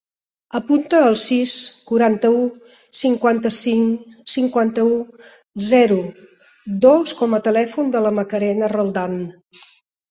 Apunta el sis, quaranta-u, cinquanta-cinc, cinquanta-u, zero, dos com a telèfon de la Macarena Roldan.